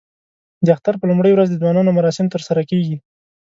د اختر په لومړۍ ورځ د ځوانانو مراسم ترسره کېږي.